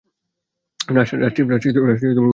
রাষ্ট্রের উত্তরে এর অবস্থান।